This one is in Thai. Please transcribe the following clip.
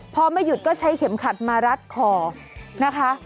พอไม่หยุดก็ใช้เข็มขัดมารัดคอนะคะ